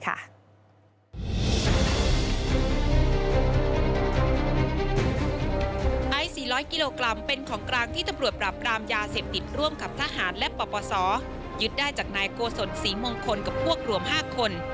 ไอซ์๔๐๐กิโลกรัมเป็นของกลางที่ตำรวจปราบรามยาเสพติดร่วมกับทหารและปปศยึดได้จากนายโกศลศรีมงคลกับพวกรวม๕คน